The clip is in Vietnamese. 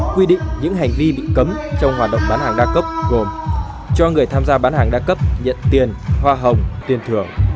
quy định những hành vi bị cấm trong hoạt động bán hàng đa cấp gồm cho người tham gia bán hàng đa cấp nhận tiền hoa hồng tiền thưởng